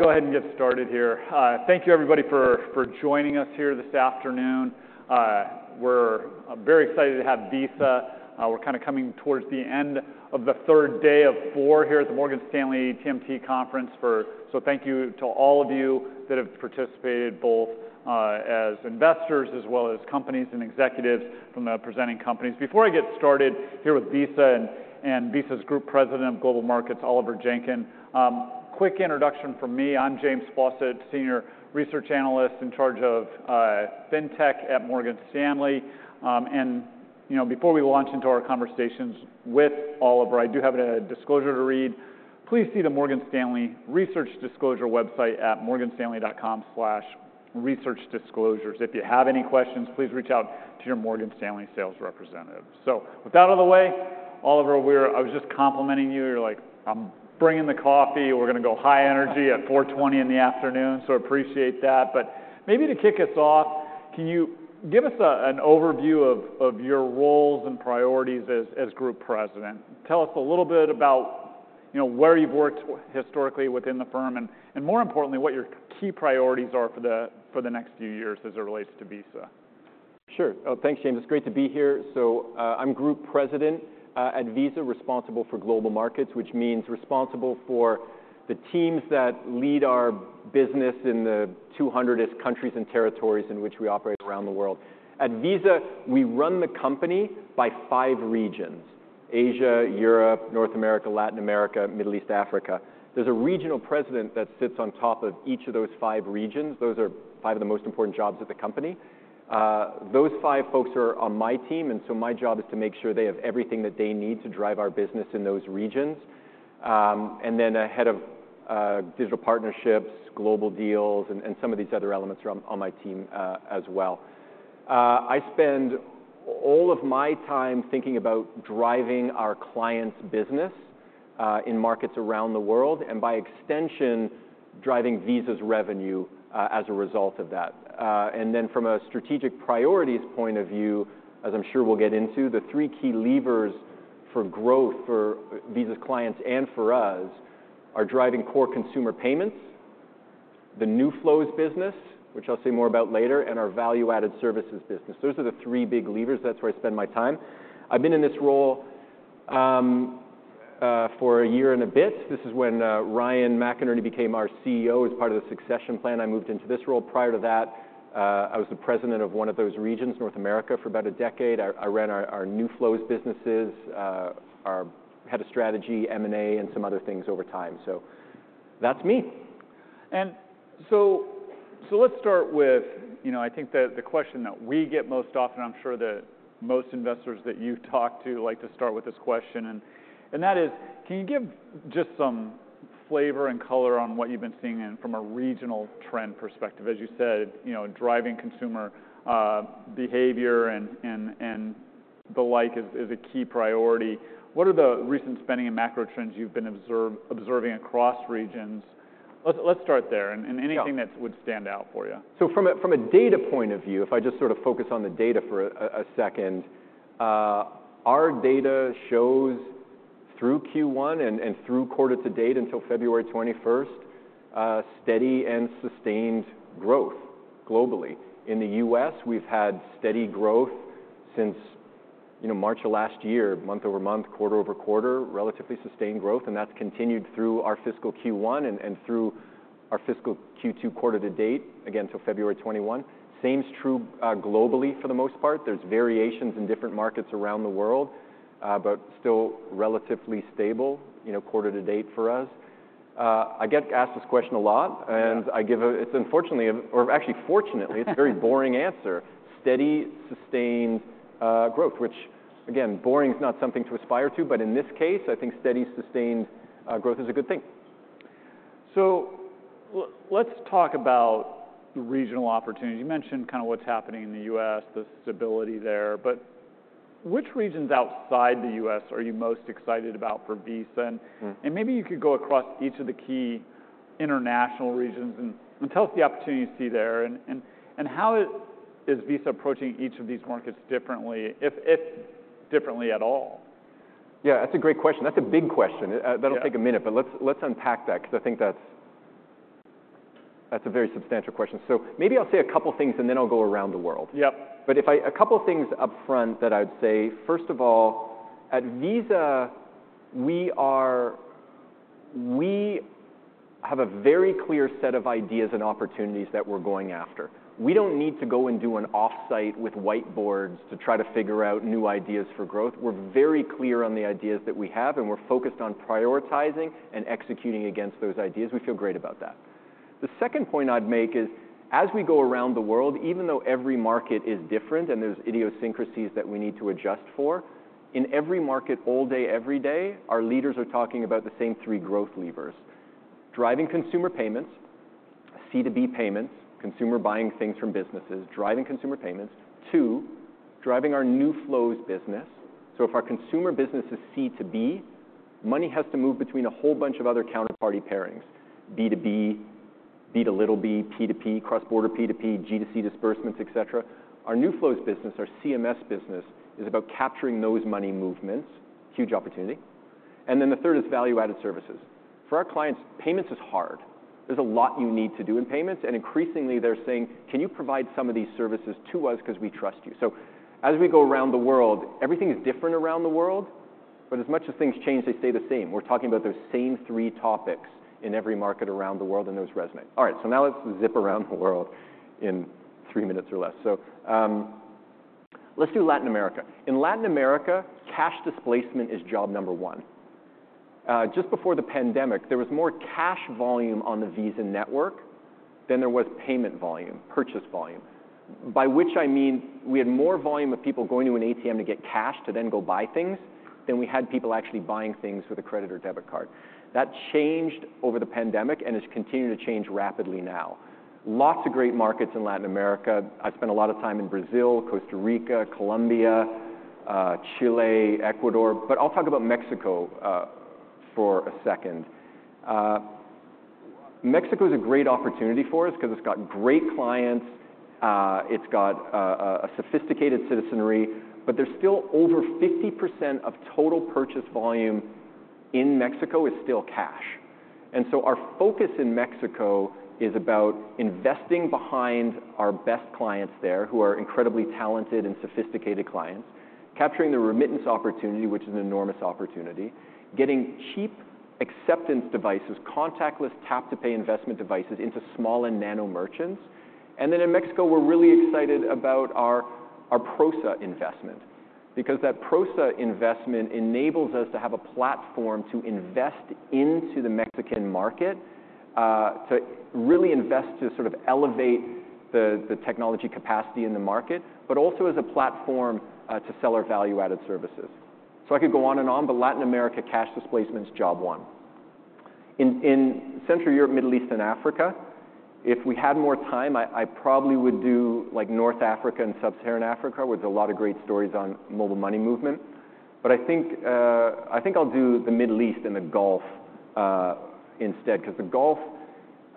All right, we'll go ahead and get started here. Thank you everybody for joining us here this afternoon. We're very excited to have Visa. We're kind of coming towards the end of the third day of four here at the Morgan Stanley TMT Conference, so thank you to all of you that have participated, both as investors as well as companies and executives from the presenting companies. Before I get started here with Visa and Visa's Group President of Global Markets, Oliver Jenkyn, quick introduction from me. I'm James Faucette, Senior Research Analyst in charge of FinTech at Morgan Stanley. And, you know, before we launch into our conversations with Oliver, I do have a disclosure to read. Please see the Morgan Stanley Research Disclosure website at morganstanley.com/researchdisclosures. If you have any questions, please reach out to your Morgan Stanley sales representative. So with that out of the way, Oliver, I was just complimenting you. You're like, "I'm bringing the coffee. We're gonna go high energy at 4:20 P.M.," so appreciate that. But maybe to kick us off, can you give us an overview of your roles and priorities as Group President? Tell us a little bit about, you know, where you've worked historically within the firm and, more importantly, what your key priorities are for the next few years as it relates to Visa. Sure. Oh, thanks, James. It's great to be here. So, I'm Group President at Visa, responsible for Global Markets, which means responsible for the teams that lead our business in the 200-ish countries and territories in which we operate around the world. At Visa, we run the company by five regions: Asia, Europe, North America, Latin America, Middle East, Africa. There's a regional president that sits on top of each of those five regions. Those are five of the most important jobs at the company. Those five folks are on my team, and so my job is to make sure they have everything that they need to drive our business in those regions. And then a head of digital partnerships, global deals, and some of these other elements are on my team, as well. I spend all of my time thinking about driving our clients' business, in markets around the world and, by extension, driving Visa's revenue, as a result of that. Then from a strategic priorities point of view, as I'm sure we'll get into, the three key levers for growth for Visa's clients and for us are driving core consumer payments, the new flows business, which I'll say more about later, and our value-added services business. Those are the three big levers. That's where I spend my time. I've been in this role for a year and a bit. This is when Ryan McInerney became our CEO as part of the succession plan. I moved into this role. Prior to that, I was the president of one of those regions, North America, for about a decade. I ran our New Flows businesses, our head of strategy, M&A, and some other things over time. So that's me. So let's start with, you know, I think the question that we get most often. I'm sure the most investors that you've talked to like to start with this question, and that is, can you give just some flavor and color on what you've been seeing from a regional trend perspective? As you said, you know, driving consumer behavior and the like is a key priority. What are the recent spending and macro trends you've been observing across regions? Let's start there and anything that would stand out for you. Yeah. So from a data point of view, if I just sort of focus on the data for a second, our data shows through Q1 and through quarter to date until February 21st, steady and sustained growth globally. In the U.S., we've had steady growth since, you know, March of last year, month over month, quarter over quarter, relatively sustained growth, and that's continued through our fiscal Q1 and through our fiscal Q2 quarter to date, again, till February 21. Same's true globally for the most part. There's variations in different markets around the world, but still relatively stable, you know, quarter to date for us. I get asked this question a lot, and I give, actually, fortunately, it's a very boring answer: steady, sustained growth, which, again, boring's not something to aspire to, but in this case, I think steady, sustained growth is a good thing. So let's talk about the regional opportunity. You mentioned kind of what's happening in the U.S., the stability there. But which regions outside the US are you most excited about for Visa? And maybe you could go across each of the key international regions and tell us the opportunities you see there and how is Visa approaching each of these markets differently, if differently at all? Yeah, that's a great question. That's a big question. That'll take a minute, but let's, let's unpack that 'cause I think that's, that's a very substantial question. So maybe I'll say a couple things, and then I'll go around the world. Yep. But I have a couple things upfront that I would say. First of all, at Visa, we have a very clear set of ideas and opportunities that we're going after. We don't need to go and do an offsite with whiteboards to try to figure out new ideas for growth. We're very clear on the ideas that we have, and we're focused on prioritizing and executing against those ideas. We feel great about that. The second point I'd make is, as we go around the world, even though every market is different and there's idiosyncrasies that we need to adjust for, in every market all day, every day, our leaders are talking about the same three growth levers: driving consumer payments, C2B payments, consumer buying things from businesses, driving consumer payments. Two, driving our new flows business. So if our consumer business is C2B, money has to move between a whole bunch of other counterparty pairings: B2B, B2B, P2P, cross-border P2P, G2C disbursements, etc. Our new flows business, our CMM business, is about capturing those money movements. Huge opportunity. And then the third is value-added services. For our clients, payments is hard. There's a lot you need to do in payments, and increasingly, they're saying, "Can you provide some of these services to us 'cause we trust you?" So as we go around the world, everything's different around the world, but as much as things change, they stay the same. We're talking about those same three topics in every market around the world, and those resonate. All right, so now let's zip around the world in three minutes or less. So, let's do Latin America. In Latin America, cash displacement is job number one. Just before the pandemic, there was more cash volume on the Visa network than there was payment volume, purchase volume, by which I mean we had more volume of people going to an ATM to get cash to then go buy things than we had people actually buying things with a credit or debit card. That changed over the pandemic and has continued to change rapidly now. Lots of great markets in Latin America. I spent a lot of time in Brazil, Costa Rica, Colombia, Chile, Ecuador, but I'll talk about Mexico, for a second. Mexico's a great opportunity for us 'cause it's got great clients. It's got a sophisticated citizenry, but there's still over 50% of total purchase volume in Mexico is still cash. So our focus in Mexico is about investing behind our best clients there who are incredibly talented and sophisticated clients, capturing the remittance opportunity, which is an enormous opportunity, getting cheap acceptance devices, contactless tap-to-pay investment devices into small and nano merchants. Then in Mexico, we're really excited about our Prosa investment because that Prosa investment enables us to have a platform to invest into the Mexican market, to really invest to sort of elevate the technology capacity in the market, but also as a platform, to sell our value-added services. So I could go on and on, but Latin America, cash displacement's job one. In Central Europe, Middle East, and Africa, if we had more time, I probably would do, like, North Africa and Sub-Saharan Africa, where there's a lot of great stories on mobile money movement. But I think, I think I'll do the Middle East and the Gulf, instead 'cause the Gulf,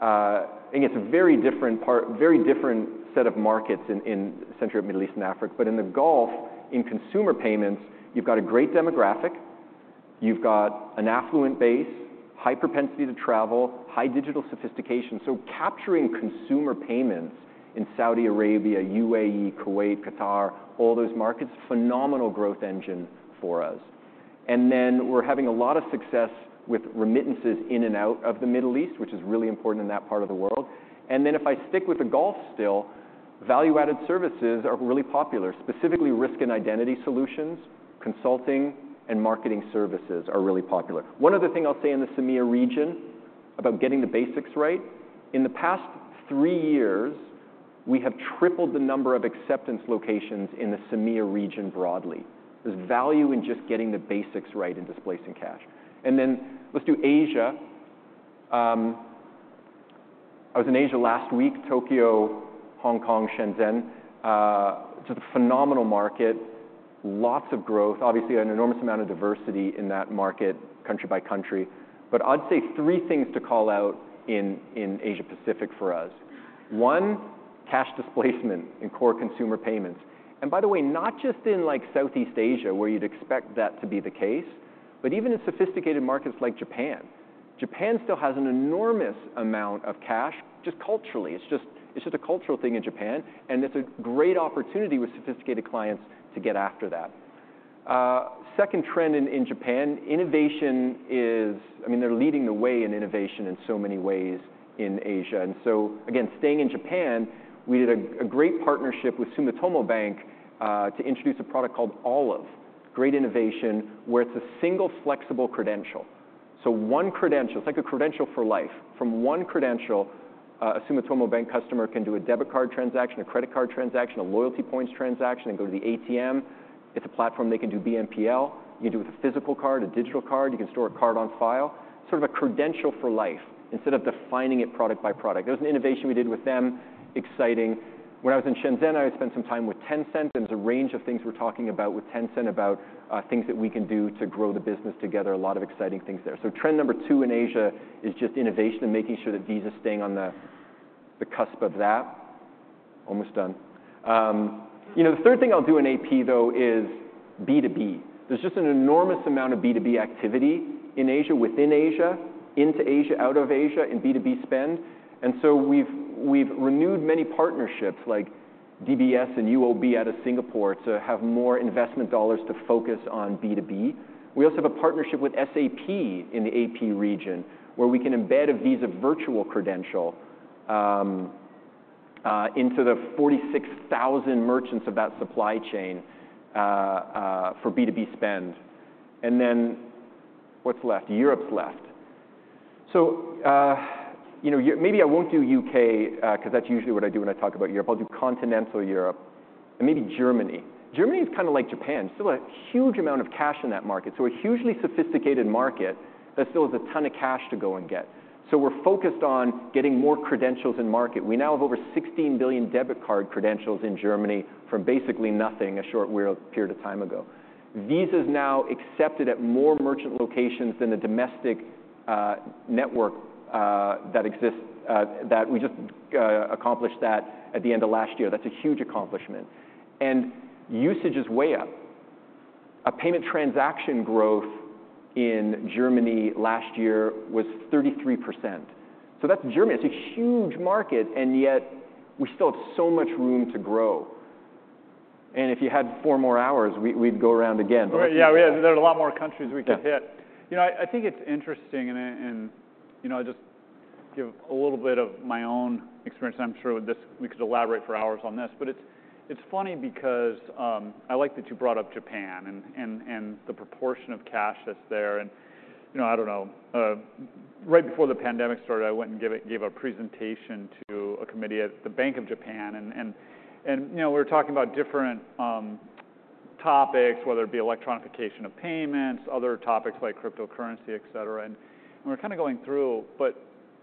I think it's a very different part, very different set of markets in, in Central Europe, Middle East, and Africa. But in the Gulf, in consumer payments, you've got a great demographic. You've got an affluent base, high propensity to travel, high digital sophistication. So capturing consumer payments in Saudi Arabia, UAE, Kuwait, Qatar, all those markets, phenomenal growth engine for us. And then we're having a lot of success with remittances in and out of the Middle East, which is really important in that part of the world. And then if I stick with the Gulf still, value-added services are really popular. Specifically, risk and identity solutions, consulting, and marketing services are really popular. One other thing I'll say in the CEMEA region about getting the basics right. In the past three years, we have tripled the number of acceptance locations in the CEMEA region broadly. There's value in just getting the basics right in displacing cash. And then let's do Asia. I was in Asia last week: Tokyo, Hong Kong, Shenzhen. Just a phenomenal market, lots of growth, obviously an enormous amount of diversity in that market country by country. But I'd say three things to call out in Asia Pacific for us. One, cash displacement in core consumer payments. And by the way, not just in, like, Southeast Asia where you'd expect that to be the case, but even in sophisticated markets like Japan. Japan still has an enormous amount of cash just culturally. It's just a cultural thing in Japan, and it's a great opportunity with sophisticated clients to get after that. Second trend in Japan, innovation is I mean, they're leading the way in innovation in so many ways in Asia. And so, again, staying in Japan, we did a great partnership with Sumitomo Bank to introduce a product called Olive, great innovation where it's a single flexible credential. So one credential, it's like a credential for life. From one credential, a Sumitomo Bank customer can do a debit card transaction, a credit card transaction, a loyalty points transaction, and go to the ATM. It's a platform they can do BNPL. You can do it with a physical card, a digital card. You can store a card on file. Sort of a credential for life instead of defining it product by product. That was an innovation we did with them, exciting. When I was in Shenzhen, I had spent some time with Tencent. There was a range of things we're talking about with Tencent about things that we can do to grow the business together, a lot of exciting things there. So trend number two in Asia is just innovation and making sure that Visa's staying on the cusp of that. You know, the third thing I'll do in AP, though, is B2B. There's just an enormous amount of B2B activity in Asia, within Asia, into Asia, out of Asia in B2B spend. And so we've renewed many partnerships like DBS and UOB out of Singapore to have more investment dollars to focus on B2B. We also have a partnership with SAP in the AP region where we can embed a Visa virtual credential into the 46,000 merchants of that supply chain, for B2B spend. And then what's left? Europe's left. So, you know, you maybe I won't do U.K., 'cause that's usually what I do when I talk about Europe. I'll do continental Europe and maybe Germany. Germany's kind of like Japan. Still a huge amount of cash in that market. So a hugely sophisticated market that still has a ton of cash to go and get. So we're focused on getting more credentials in market. We now have over 16 billion debit card credentials in Germany from basically nothing a short period of time ago. Visa's now accepted at more merchant locations than the domestic network that exists, that we just accomplished that at the end of last year. That's a huge accomplishment. And usage is way up. A payment transaction growth in Germany last year was 33%. So that's Germany. It's a huge market, and yet we still have so much room to grow. If you had four more hours, we, we'd go around again, but I think. Yeah, there are a lot more countries we could hit. You know, I think it's interesting, and, you know, I'll just give a little bit of my own experience. I'm sure we could elaborate for hours on this, but it's funny because I like that you brought up Japan and the proportion of cash that's there. And, you know, I don't know. Right before the pandemic started, I went and gave a presentation to a committee at the Bank of Japan, and, you know, we were talking about different topics, whether it be electronification of payments, other topics like cryptocurrency, etc. And we were kind of going through, but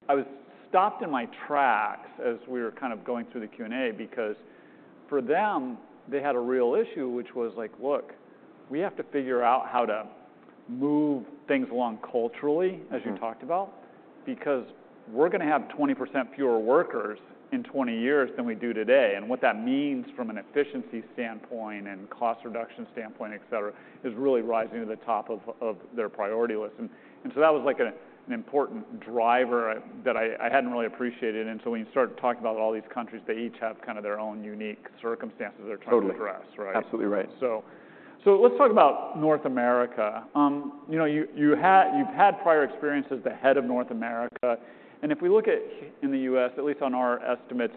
I was stopped in my tracks as we were kind of going through the Q&A because for them, they had a real issue, which was like, "Look, we have to figure out how to move things along culturally," as you talked about, "because we're gonna have 20% fewer workers in 20 years than we do today." And what that means from an efficiency standpoint and cost reduction standpoint, etc., is really rising to the top of their priority list. And so that was like an important driver that I hadn't really appreciated. And so when you start talking about all these countries, they each have kind of their own unique circumstances they're trying to address, right? Totally. Absolutely right. So, let's talk about North America. You know, you've had prior experience as the head of North America. And if we look at in the U.S., at least on our estimates,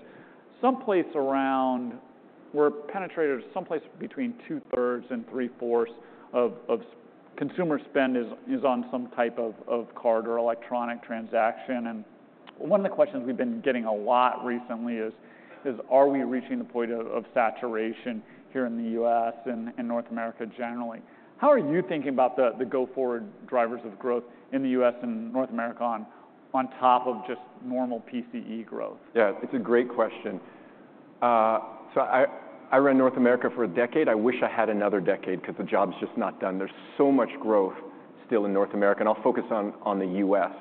someplace around we're penetrated someplace between two-thirds and three-fourths of consumer spend is on some type of card or electronic transaction. And one of the questions we've been getting a lot recently is, are we reaching the point of saturation here in the U.S. and North America generally? How are you thinking about the go-forward drivers of growth in the U.S. and North America on top of just normal PCE growth? Yeah, it's a great question. So I ran North America for a decade. I wish I had another decade 'cause the job's just not done. There's so much growth still in North America. And I'll focus on the US.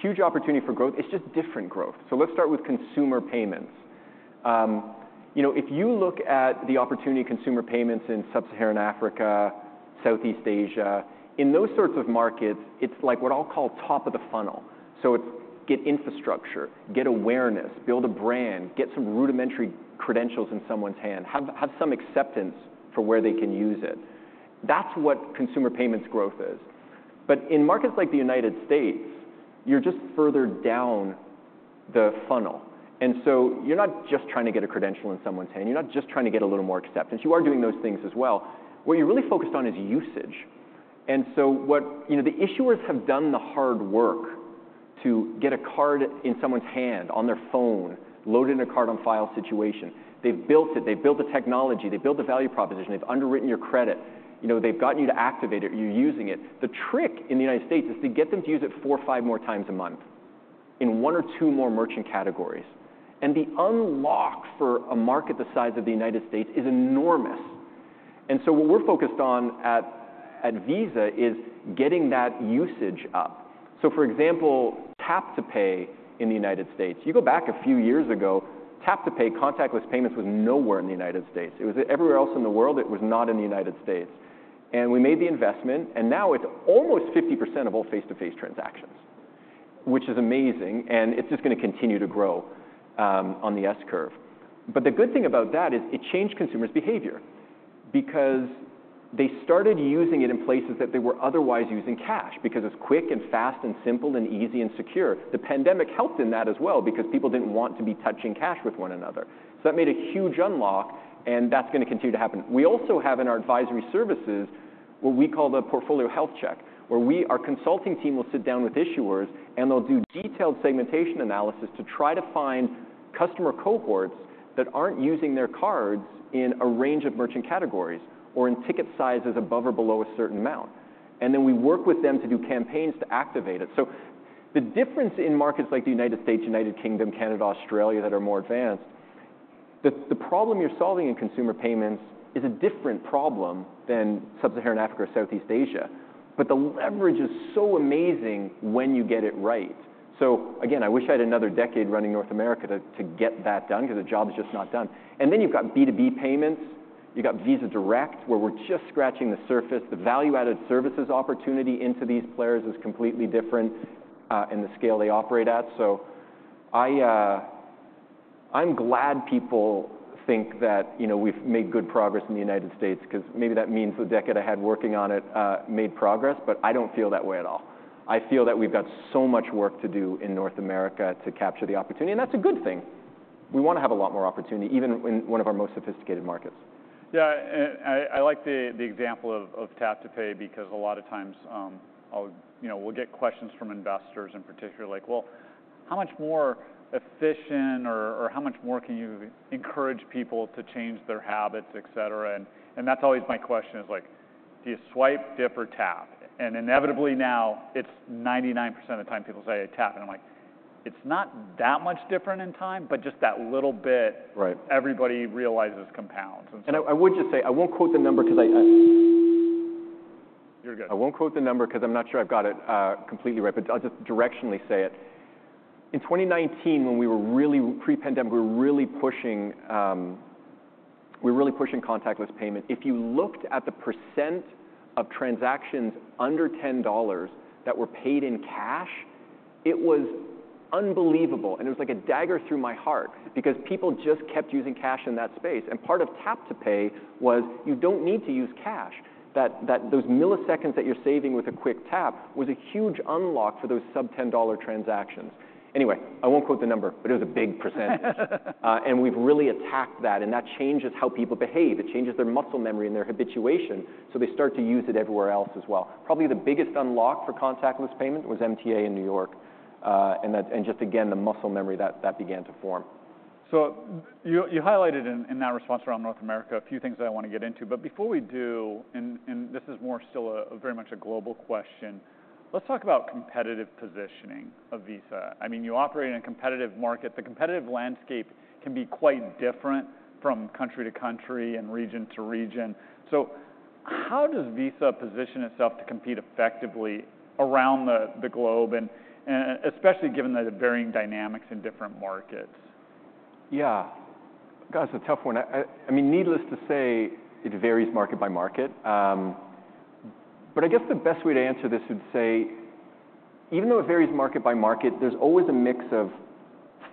Huge opportunity for growth. It's just different growth. So let's start with consumer payments. You know, if you look at the opportunity consumer payments in Sub-Saharan Africa, Southeast Asia, in those sorts of markets, it's like what I'll call top of the funnel. So it's get infrastructure, get awareness, build a brand, get some rudimentary credentials in someone's hand, have some acceptance for where they can use it. That's what consumer payments growth is. But in markets like the United States, you're just further down the funnel. And so you're not just trying to get a credential in someone's hand. You're not just trying to get a little more acceptance. You are doing those things as well. What you're really focused on is usage. And so, you know, the issuers have done the hard work to get a card in someone's hand, on their phone, load in a card on file situation. They've built it. They've built the technology. They've built the value proposition. They've underwritten your credit. You know, they've gotten you to activate it. You're using it. The trick in the United States is to get them to use it 4 or 5 more times a month in 1 or 2 more merchant categories. And the unlock for a market the size of the United States is enormous. And so what we're focused on at Visa is getting that usage up. So for example, tap-to-pay in the United States. You go back a few years ago, tap-to-pay, contactless payments was nowhere in the United States. It was everywhere else in the world. It was not in the United States. And we made the investment, and now it's almost 50% of all face-to-face transactions, which is amazing, and it's just gonna continue to grow, on the S-curve. But the good thing about that is it changed consumers' behavior because they started using it in places that they were otherwise using cash because it's quick and fast and simple and easy and secure. The pandemic helped in that as well because people didn't want to be touching cash with one another. So that made a huge unlock, and that's gonna continue to happen. We also have in our advisory services what we call the portfolio health check where our consulting team will sit down with issuers, and they'll do detailed segmentation analysis to try to find customer cohorts that aren't using their cards in a range of merchant categories or in ticket sizes above or below a certain amount. And then we work with them to do campaigns to activate it. So the difference in markets like the United States, United Kingdom, Canada, Australia that are more advanced, the problem you're solving in consumer payments is a different problem than Sub-Saharan Africa or Southeast Asia. But the leverage is so amazing when you get it right. So again, I wish I had another decade running North America to get that done 'cause the job's just not done. And then you've got B2B payments. You've got Visa Direct, where we're just scratching the surface. The value-added services opportunity into these players is completely different, in the scale they operate at. So, I'm glad people think that, you know, we've made good progress in the United States 'cause maybe that means the decade I had working on it, made progress, but I don't feel that way at all. I feel that we've got so much work to do in North America to capture the opportunity, and that's a good thing. We wanna have a lot more opportunity even in one of our most sophisticated markets. Yeah. And I like the example of tap-to-pay because a lot of times, I'll, you know, we'll get questions from investors in particular like, "Well, how much more efficient or how much more can you encourage people to change their habits, etc.?" And that's always my question is like, "Do you swipe, dip, or tap?" And inevitably now, it's 99% of the time people say, "I tap." And I'm like, "It's not that much different in time, but just that little bit. Right. Everybody realizes compounds. And so. And I would just say I won't quote the number 'cause I. You're good. I won't quote the number 'cause I'm not sure I've got it completely right, but I'll just directionally say it. In 2019, when we were really pre-pandemic, we were really pushing, we were really pushing contactless payment. If you looked at the % of transactions under $10 that were paid in cash, it was unbelievable. And it was like a dagger through my heart because people just kept using cash in that space. And part of tap-to-pay was you don't need to use cash. That, that those milliseconds that you're saving with a quick tap was a huge unlock for those sub-$10 transactions. Anyway, I won't quote the number, but it was a big percentage. We've really attacked that, and that changes how people behave. It changes their muscle memory and their habituation, so they start to use it everywhere else as well. Probably the biggest unlock for contactless payment was MTA in New York, and that and just again, the muscle memory that began to form. So you highlighted in that response around North America a few things that I wanna get into. But before we do, and this is more still a very much a global question, let's talk about competitive positioning of Visa. I mean, you operate in a competitive market. The competitive landscape can be quite different from country to country and region to region. So how does Visa position itself to compete effectively around the globe and especially given the varying dynamics in different markets? Yeah. God, it's a tough one. I mean, needless to say, it varies market by market. But I guess the best way to answer this would say even though it varies market by market, there's always a mix of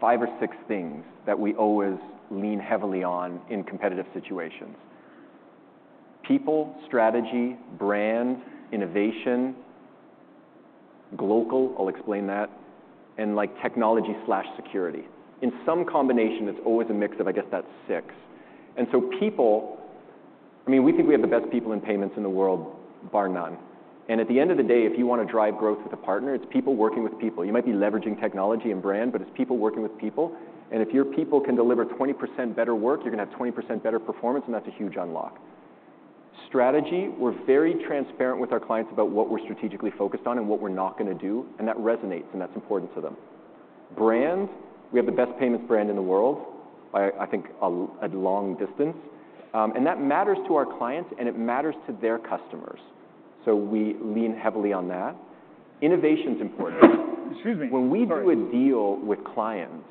five or six things that we always lean heavily on in competitive situations: people, strategy, brand, innovation, local - I'll explain that - and like technology/security. In some combination, it's always a mix of, I guess, that six. And so people I mean, we think we have the best people in payments in the world, bar none. And at the end of the day, if you wanna drive growth with a partner, it's people working with people. You might be leveraging technology and brand, but it's people working with people. And if your people can deliver 20% better work, you're gonna have 20% better performance, and that's a huge unlock. Strategy, we're very transparent with our clients about what we're strategically focused on and what we're not gonna do, and that resonates, and that's important to them. Brand, we have the best payments brand in the world by, I think, a long distance. And that matters to our clients, and it matters to their customers. So we lean heavily on that. Innovation's important. Excuse me. When we do a deal with clients,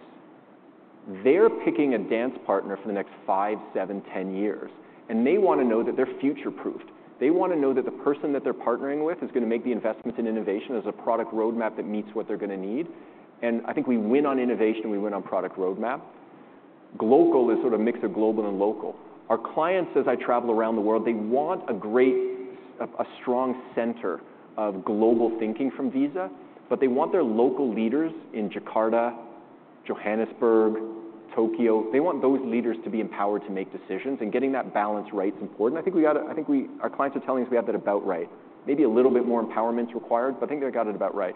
they're picking a dance partner for the next 5, 7, 10 years, and they wanna know that they're future-proofed. They wanna know that the person that they're partnering with is gonna make the investments in innovation as a product roadmap that meets what they're gonna need. And I think we win on innovation, and we win on product roadmap. Global is sort of a mix of global and local. Our clients, as I travel around the world, they want a great, a strong center of global thinking from Visa, but they want their local leaders in Jakarta, Johannesburg, Tokyo they want those leaders to be empowered to make decisions. And getting that balance right's important. I think we got it. I think we our clients are telling us we have that about right. Maybe a little bit more empowerment's required, but I think they got it about right.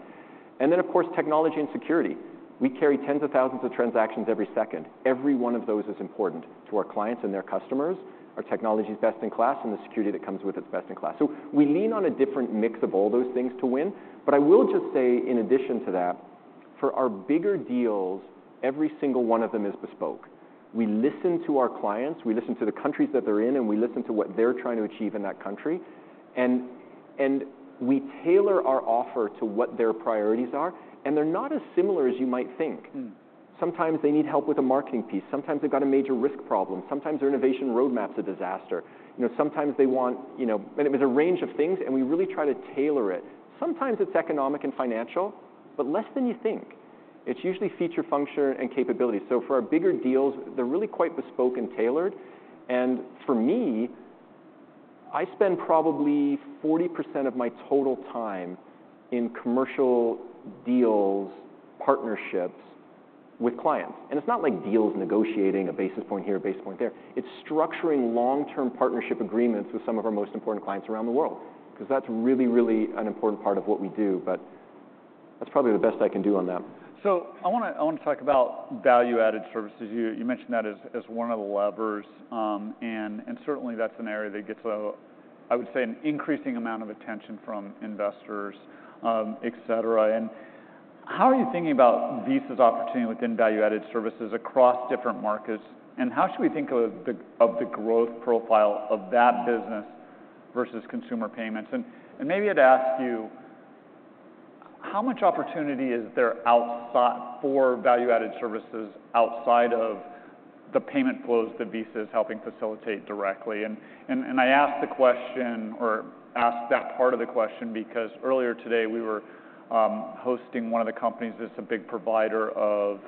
And then, of course, technology and security. We carry tens of thousands of transactions every second. Every one of those is important to our clients and their customers. Our technology's best in class, and the security that comes with it's best in class. So we lean on a different mix of all those things to win. But I will just say in addition to that, for our bigger deals, every single one of them is bespoke. We listen to our clients. We listen to the countries that they're in, and we listen to what they're trying to achieve in that country. And, and we tailor our offer to what their priorities are, and they're not as similar as you might think. Sometimes they need help with a marketing piece. Sometimes they've got a major risk problem. Sometimes their innovation roadmap's a disaster. You know, sometimes they want, you know, and it was a range of things, and we really try to tailor it. Sometimes it's economic and financial, but less than you think. It's usually feature, function, and capability. So for our bigger deals, they're really quite bespoke and tailored. And for me, I spend probably 40% of my total time in commercial deals, partnerships with clients. And it's not like deals negotiating a basis point here, a basis point there. It's structuring long-term partnership agreements with some of our most important clients around the world 'cause that's really, really an important part of what we do. But that's probably the best I can do on that. So I wanna talk about value-added services. You mentioned that as one of the levers. And certainly that's an area that gets, I would say, an increasing amount of attention from investors, etc. And how are you thinking about Visa's opportunity within value-added services across different markets? And how should we think of the growth profile of that business versus consumer payments? And maybe I'd ask you, how much opportunity is there outside for value-added services outside of the payment flows that Visa is helping facilitate directly? And I asked the question or asked that part of the question because earlier today, we were hosting one of the companies that's a big provider of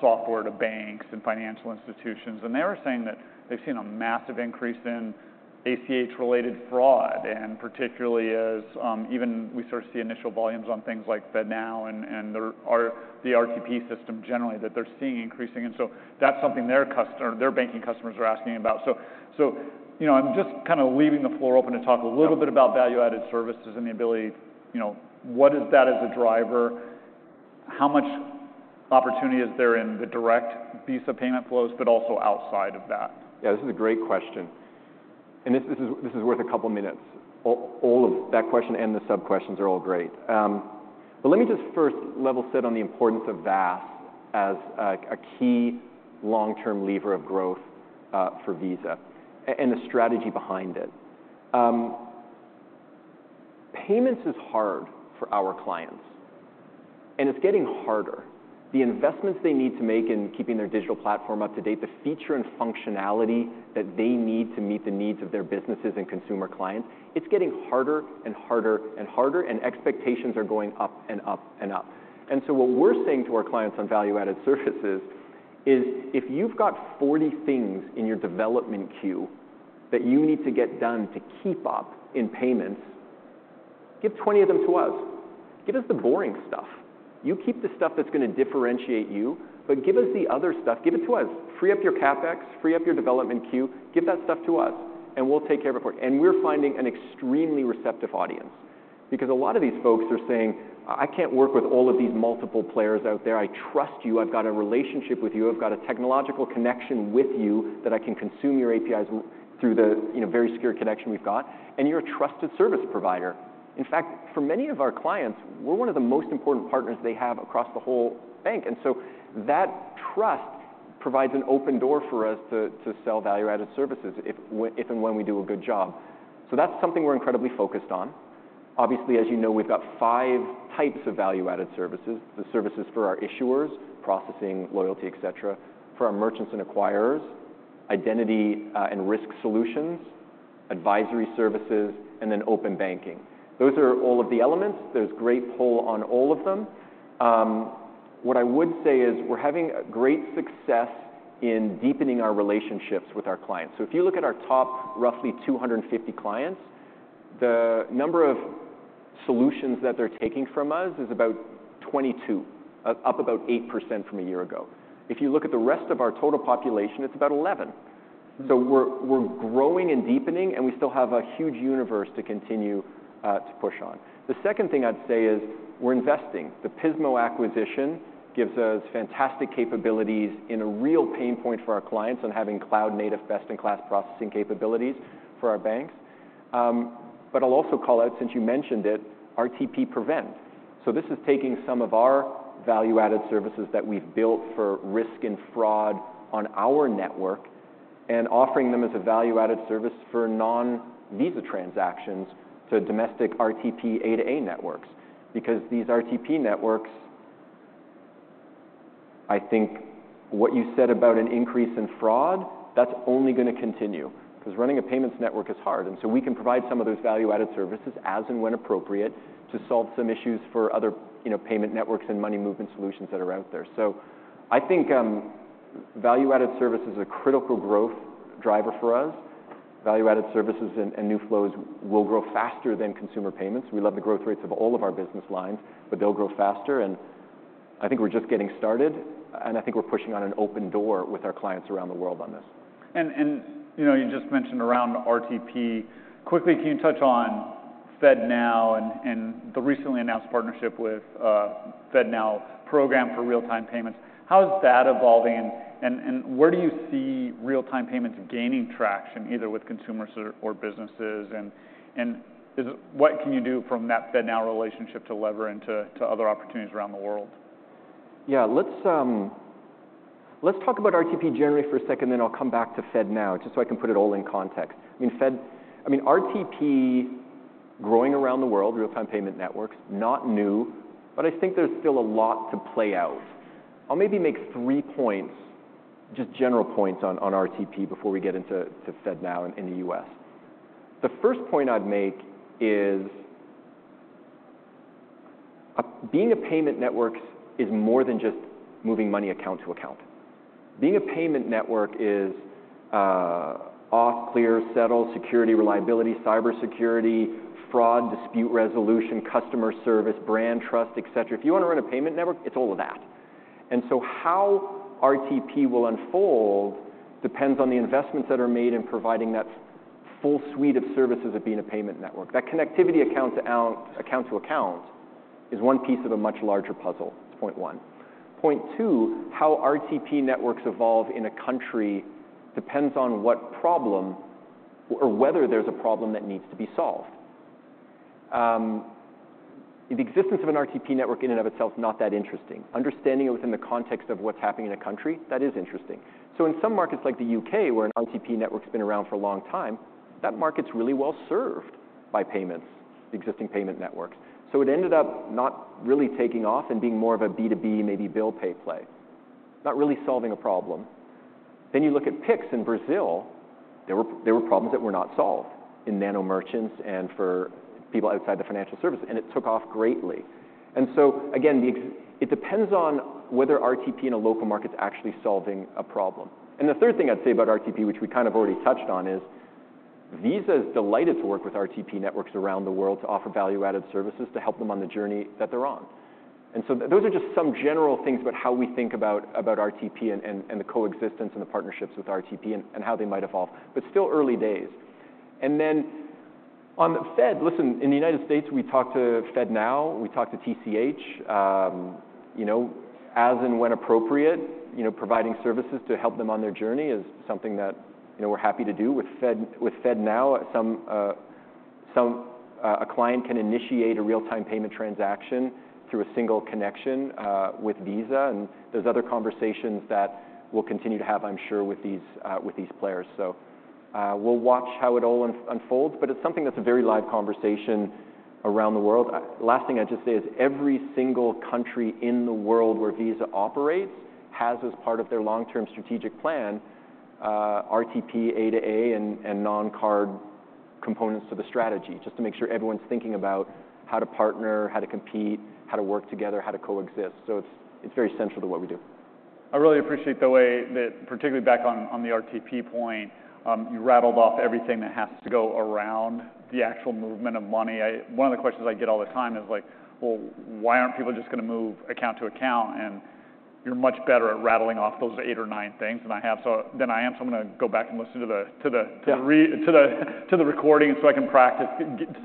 software to banks and financial institutions. They were saying that they've seen a massive increase in ACH-related fraud and particularly as even we sort of see initial volumes on things like FedNow and there are the RTP system generally that they're seeing increasing. So that's something their banking customers are asking about. So, you know, I'm just kinda leaving the floor open to talk a little bit about value-added services and the ability, you know, what is that as a driver? How much opportunity is there in the direct Visa payment flows but also outside of that? Yeah. This is a great question. This is worth a couple minutes. All of that question and the sub-questions are all great. But let me just first level set on the importance of VAS as a key long-term lever of growth for Visa and the strategy behind it. Payments is hard for our clients, and it's getting harder. The investments they need to make in keeping their digital platform up to date, the feature and functionality that they need to meet the needs of their businesses and consumer clients, it's getting harder and harder and harder, and expectations are going up and up and up. So what we're saying to our clients on value-added services is if you've got 40 things in your development queue that you need to get done to keep up in payments, give 20 of them to us. Give us the boring stuff. You keep the stuff that's gonna differentiate you, but give us the other stuff. Give it to us. Free up your CapEx. Free up your development queue. Give that stuff to us, and we'll take care of it for you. And we're finding an extremely receptive audience because a lot of these folks are saying, "I can't work with all of these multiple players out there. I trust you. I've got a relationship with you. I've got a technological connection with you that I can consume your APIs through the, you know, very secure connection we've got. And you're a trusted service provider." In fact, for many of our clients, we're one of the most important partners they have across the whole bank. And so that trust provides an open door for us to sell value-added services if and when we do a good job. So that's something we're incredibly focused on. Obviously, as you know, we've got five types of value-added services: the services for our issuers—processing, loyalty, etc.—for our merchants and acquirers—identity and risk solutions—advisory services—and then open banking. Those are all of the elements. There's great pull on all of them. What I would say is we're having great success in deepening our relationships with our clients. So if you look at our top roughly 250 clients, the number of solutions that they're taking from us is about 22, up about 8% from a year ago. If you look at the rest of our total population, it's about 11. So we're, we're growing and deepening, and we still have a huge universe to continue, to push on. The second thing I'd say is we're investing. The Pismo acquisition gives us fantastic capabilities in a real pain point for our clients on having cloud-native best-in-class processing capabilities for our banks. But I'll also call out, since you mentioned it, Visa Protect. So this is taking some of our value-added services that we've built for risk and fraud on our network and offering them as a value-added service for non-Visa transactions to domestic RTP A to A networks because these RTP networks, I think what you said about an increase in fraud, that's only gonna continue 'cause running a payments network is hard. And so we can provide some of those value-added services as and when appropriate to solve some issues for other, you know, payment networks and money movement solutions that are out there. So I think, value-added service is a critical growth driver for us. Value-added services and new flows will grow faster than consumer payments. We love the growth rates of all of our business lines, but they'll grow faster. And I think we're just getting started, and I think we're pushing on an open door with our clients around the world on this. You know, you just mentioned around RTP. Quickly, can you touch on FedNow and the recently announced partnership with the FedNow program for real-time payments? How's that evolving, and where do you see real-time payments gaining traction either with consumers or businesses? And what can you do from that FedNow relationship to leverage to other opportunities around the world? Yeah. Let's, let's talk about RTP generally for a second, and then I'll come back to FedNow just so I can put it all in context. I mean, RTP growing around the world, real-time payment networks, not new, but I think there's still a lot to play out. I'll maybe make three points, just general points on RTP before we get into FedNow in the US. The first point I'd make is, being a payment network is more than just moving money account to account. Being a payment network is auth, clear, settle, security, reliability, cybersecurity, fraud, dispute resolution, customer service, brand trust, etc. If you wanna run a payment network, it's all of that. And so how RTP will unfold depends on the investments that are made in providing that full suite of services of being a payment network. That connectivity, account-to-account, is one piece of a much larger puzzle. That's point one. Point two, how RTP networks evolve in a country depends on what problem or whether there's a problem that needs to be solved. The existence of an RTP network in and of itself is not that interesting. Understanding it within the context of what's happening in a country, that is interesting. So in some markets like the U.K. where an RTP network's been around for a long time, that market's really well served by payments, the existing payment networks. So it ended up not really taking off and being more of a B2B, maybe bill pay play, not really solving a problem. Then you look at PIX in Brazil, there were problems that were not solved in nano merchants and for people outside the financial services, and it took off greatly. And so again, the extent it depends on whether RTP in a local market's actually solving a problem. And the third thing I'd say about RTP, which we kind of already touched on, is Visa's delighted to work with RTP networks around the world to offer value-added services to help them on the journey that they're on. And so those are just some general things about how we think about, about RTP and, and, and the coexistence and the partnerships with RTP and, and how they might evolve, but still early days. And then on the Fed, listen, in the United States, we talk to FedNow. We talk to TCH. You know, as and when appropriate, you know, providing services to help them on their journey is something that, you know, we're happy to do. With FedNow, a client can initiate a real-time payment transaction through a single connection with Visa. There's other conversations that we'll continue to have, I'm sure, with these players. So, we'll watch how it all unfolds, but it's something that's a very live conversation around the world. Last thing I'd just say is every single country in the world where Visa operates has, as part of their long-term strategic plan, RTP A2A and non-card components to the strategy just to make sure everyone's thinking about how to partner, how to compete, how to work together, how to coexist. So it's very central to what we do. I really appreciate the way that particularly back on, on the RTP point, you rattled off everything that has to go around the actual movement of money. One of the questions I get all the time is like, "Well, why aren't people just gonna move account to account?" And you're much better at rattling off those eight or nine things than I am. So I'm gonna go back and listen to the recording so I can practice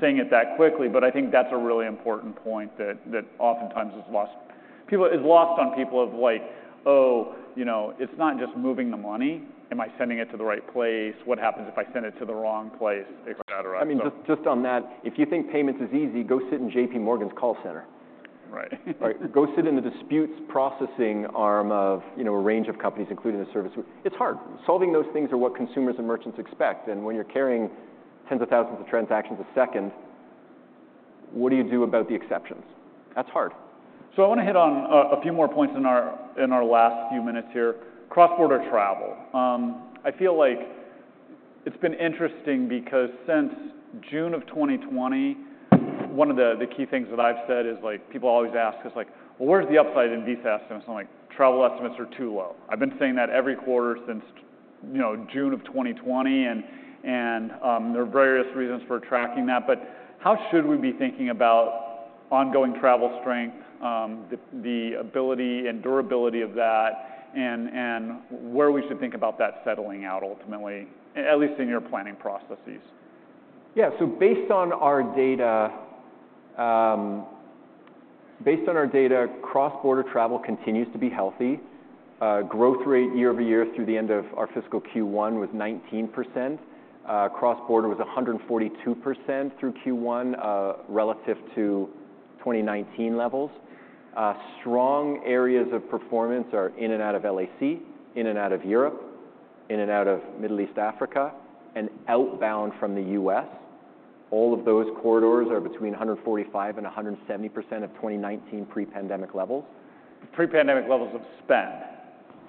saying it that quickly. But I think that's a really important point that oftentimes is lost on people of like, "Oh, you know, it's not just moving the money. Am I sending it to the right place? What happens if I send it to the wrong place, etc.? I mean, just, just on that, if you think payments is easy, go sit in J.P. Morgan's call center. Right. Right. Go sit in the disputes processing arm of, you know, a range of companies including the service, it's hard. Solving those things are what consumers and merchants expect. And when you're carrying tens of thousands of transactions a second, what do you do about the exceptions? That's hard. So I wanna hit on a few more points in our last few minutes here. Cross-border travel. I feel like it's been interesting because since June of 2020, one of the key things that I've said is like, people always ask us like, "Well, where's the upside in Visa estimates?" I'm like, "Travel estimates are too low." I've been saying that every quarter since, you know, June of 2020. And there are various reasons for tracking that. But how should we be thinking about ongoing travel strength, the ability and durability of that, and where we should think about that settling out ultimately, at least in your planning processes? Yeah. So based on our data, cross-border travel continues to be healthy. Growth rate year-over-year through the end of our fiscal Q1 was 19%. Cross-border was 142% through Q1, relative to 2019 levels. Strong areas of performance are in and out of LAC, in and out of Europe, in and out of Middle East Africa, and outbound from the U.S. All of those corridors are between 145%-170% of 2019 pre-pandemic levels. Pre-pandemic levels of spend.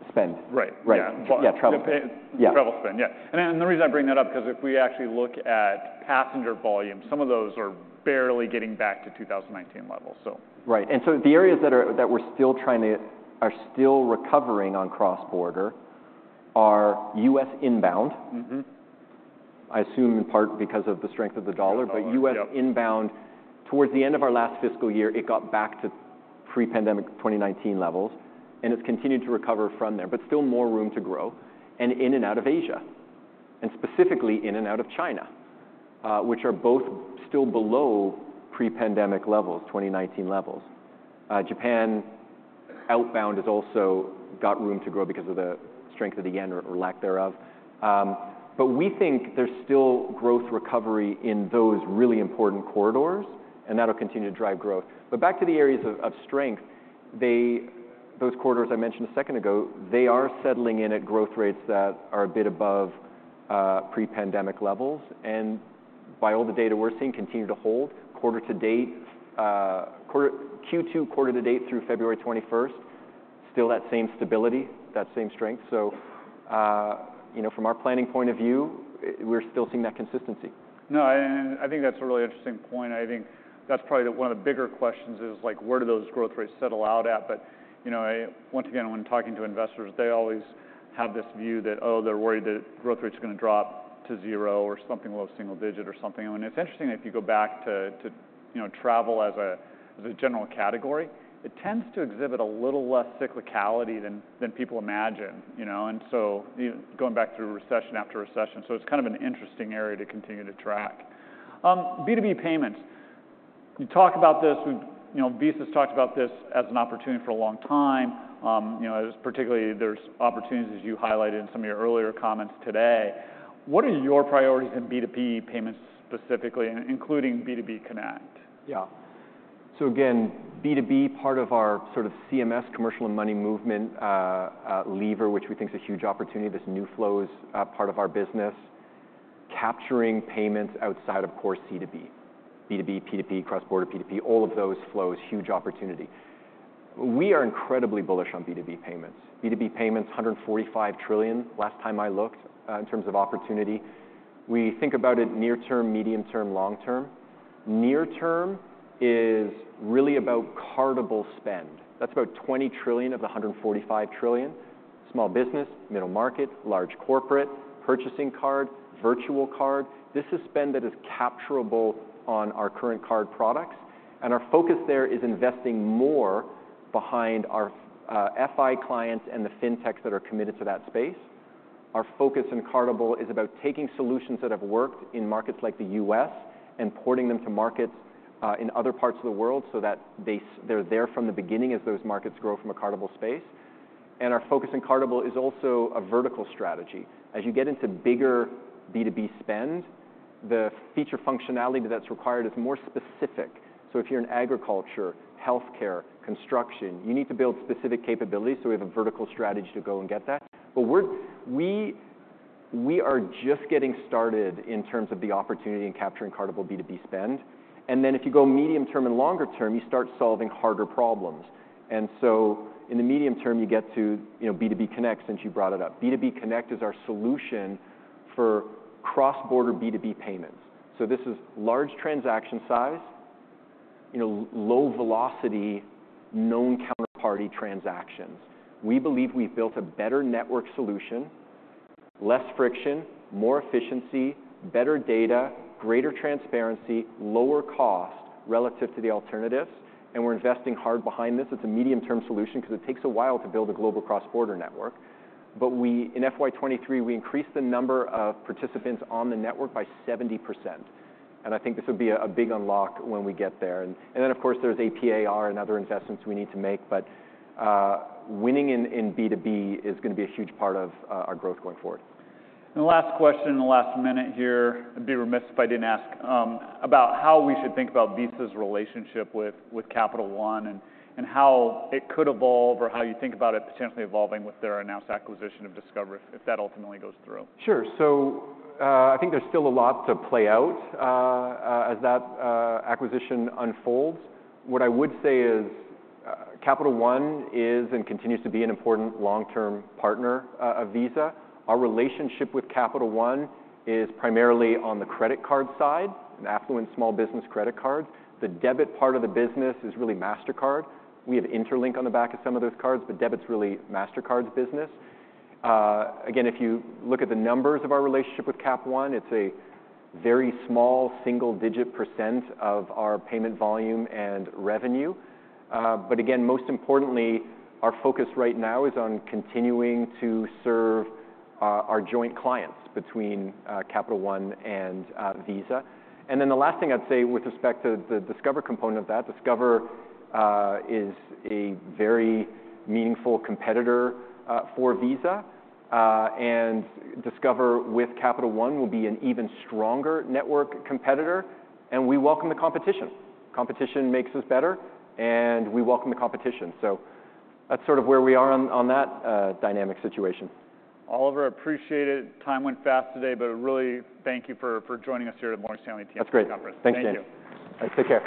Spend. Right. Right. Yeah. Yeah. Travel spend. Yeah. Travel spend. Yeah. And the reason I bring that up 'cause if we actually look at passenger volumes, some of those are barely getting back to 2019 levels, so. Right. And so the areas that we're still trying to recover are still recovering on cross-border are U.S. inbound. Mm-hmm. I assume in part because of the strength of the US dollar. Yeah. But US inbound, towards the end of our last fiscal year, it got back to pre-pandemic 2019 levels, and it's continued to recover from there but still more room to grow. And in and out of Asia and specifically in and out of China, which are both still below pre-pandemic levels, 2019 levels. Japan outbound has also got room to grow because of the strength of the yen or, or lack thereof. But we think there's still growth recovery in those really important corridors, and that'll continue to drive growth. But back to the areas of strength, those corridors I mentioned a second ago, they are settling in at growth rates that are a bit above pre-pandemic levels. And by all the data we're seeing, continue to hold. Q2 quarter to date through February 21st, still that same stability, that same strength. You know, from our planning point of view, we're still seeing that consistency. No. I, and I think that's a really interesting point. I think that's probably the one of the bigger questions is like, where do those growth rates settle out at? But, you know, I once again, when talking to investors, they always have this view that, "Oh, they're worried that growth rate's gonna drop to zero or something low single digit or something." I mean, it's interesting that if you go back to, you know, travel as a general category, it tends to exhibit a little less cyclicality than people imagine, you know? And so you going back through recession after recession. So it's kind of an interesting area to continue to track. B2B payments. You talk about this. We've you know, Visa's talked about this as an opportunity for a long time. You know, as particularly there's opportunities, as you highlighted in some of your earlier comments today. What are your priorities in B2B payments specifically, including B2B Connect? Yeah. So again, B2B, part of our sort of CMS, commercial and money movement, lever, which we think's a huge opportunity, this new flows, part of our business, capturing payments outside of core C2B, B2B, P2P, cross-border P2P, all of those flows, huge opportunity. We are incredibly bullish on B2B payments. B2B payments, $145 trillion last time I looked, in terms of opportunity. We think about it near-term, medium-term, long-term. Near-term is really about cardable spend. That's about $20 trillion of the $145 trillion. Small business, middle market, large corporate, purchasing card, virtual card. This is spend that is capturable on our current card products. And our focus there is investing more behind our, FI clients and the fintechs that are committed to that space. Our focus in cardable is about taking solutions that have worked in markets like the U.S. and porting them to markets in other parts of the world so that they're there from the beginning as those markets grow from a cardable space. Our focus in cardable is also a vertical strategy. As you get into bigger B2B spend, the feature functionality that's required is more specific. So if you're in agriculture, healthcare, construction, you need to build specific capabilities. So we have a vertical strategy to go and get that. But we are just getting started in terms of the opportunity in capturing cardable B2B spend. Then if you go medium-term and longer-term, you start solving harder problems. So in the medium-term, you get to, you know, B2B Connect since you brought it up. B2B Connect is our solution for cross-border B2B payments. So this is large transaction size, you know, low-velocity known counterparty transactions. We believe we've built a better network solution, less friction, more efficiency, better data, greater transparency, lower cost relative to the alternatives. And we're investing hard behind this. It's a medium-term solution 'cause it takes a while to build a global cross-border network. But we, in FY23, we increased the number of participants on the network by 70%. And I think this would be a big unlock when we get there. And then, of course, there's AP/AR and other investments we need to make. But winning in B2B is gonna be a huge part of our growth going forward. The last question in the last minute here. I'd be remiss if I didn't ask, about how we should think about Visa's relationship with, with Capital One and, and how it could evolve or how you think about it potentially evolving with their announced acquisition of Discover if, if that ultimately goes through. Sure. So, I think there's still a lot to play out, as that acquisition unfolds. What I would say is, Capital One is and continues to be an important long-term partner of Visa. Our relationship with Capital One is primarily on the credit card side, an affluent small business credit cards. The debit part of the business is really Mastercard. We have Interlink on the back of some of those cards, but debit's really Mastercard's business. Again, if you look at the numbers of our relationship with Cap One, it's a very small single-digit % of our payment volume and revenue. But again, most importantly, our focus right now is on continuing to serve our joint clients between Capital One and Visa. And then the last thing I'd say with respect to the Discover component of that, Discover is a very meaningful competitor for Visa. And Discover with Capital One will be an even stronger network competitor. And we welcome the competition. Competition makes us better, and we welcome the competition. So that's sort of where we are on that dynamic situation. Oliver, appreciate it. Time went fast today, but really thank you for joining us here at the Morgan Stanley TMT. That's great. Thanks, James. Thank you. All right. Take care.